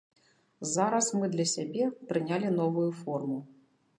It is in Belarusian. Зараз мы для сябе прынялі новую форму.